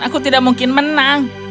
aku tidak mungkin menang